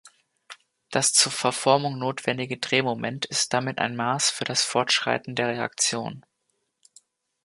Das zur Verformung notwendige Drehmoment ist damit ein Maß für das Fortschreiten der Reaktion.